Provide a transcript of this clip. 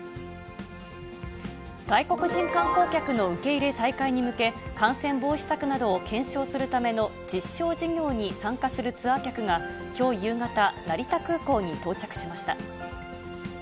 外国人観光客の受け入れ再開に向け、感染防止策などを検証するための実証事業に参加するツアー客がきょう夕方、成田空港に到着しました。